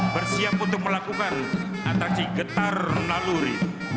bersiap untuk melakukan atraksi getar naluri